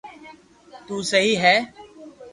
تو سھي ھي